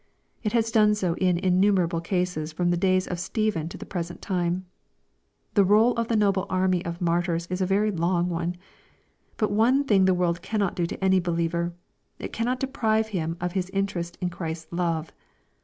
It has done so in innumerable cases from the days of Stephen to the, present time. The roll of the noble army of martyrs is a very long one. But one thing the world cannot do to any believer. It cannot deprive him of his interest in Christ's love.